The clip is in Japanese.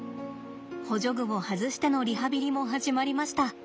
補助具を外してのリハビリも始まりました。